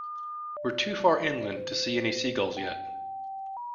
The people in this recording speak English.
We're too far inland to see any seagulls yet.